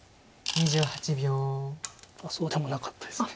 そうでもなかったですね。